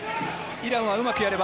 イランはうまくやれば、